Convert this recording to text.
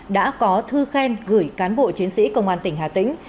đã có thư khen gửi cán bộ chiến sĩ công an tỉnh hà tĩnh